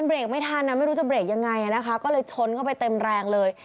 เบรกไม่ทันไม่รู้จะเบรกยังไงนะคะก็เลยชนเข้าไปเต็มแรงเลย